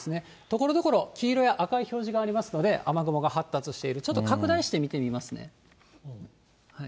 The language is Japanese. ところどころ、黄色や赤い表示がありますので、雨雲が発達している、ちょっと拡大して見てみますね。